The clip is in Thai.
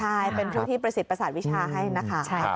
ใช่เป็นผู้ที่ประสิทธิประสาทวิชาให้นะคะ